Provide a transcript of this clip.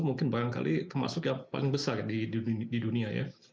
mungkin barangkali termasuk yang paling besar di dunia ya